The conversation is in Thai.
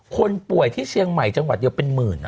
คนป่วยที่เชียงใหม่จังหวัดเดียวเป็นหมื่น